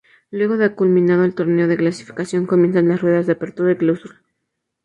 Luego de culminado el Torneo de Clasificación comienzan las ruedas de Apertura y Clausura.